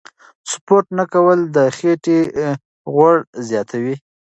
سپورت نه کول د خېټې غوړ زیاتوي.